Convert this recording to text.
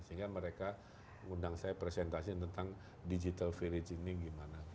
sehingga mereka undang saya presentasi tentang digital village ini gimana